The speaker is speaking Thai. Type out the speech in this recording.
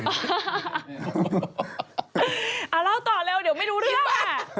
เอาเล่าต่อเร็วเดี๋ยวไม่รู้เรื่องอ่ะ